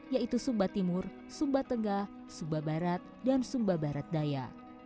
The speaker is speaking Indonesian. yaitu sumba timur sumba tengah sumba barat dan sumba barat daya